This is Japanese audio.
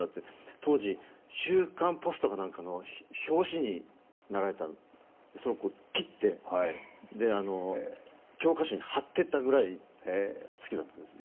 当時、「週刊ポスト」か何かの表紙になられた、それを切って教科書に貼ってたくらい好きでしたね。